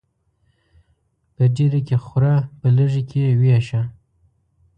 په ډيري کې خوره ، په لږي کې ويشه.